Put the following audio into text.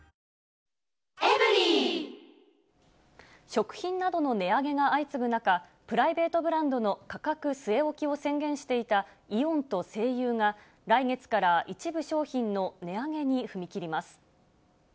食品などの値上げが相次ぐ中、プライベートブランドの価格据え置きを宣言していたイオンと西友が、来月から一部商品の値上げに踏み切ります。